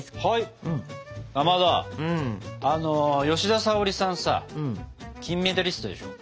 かまど吉田沙保里さんさ金メダリストでしょ？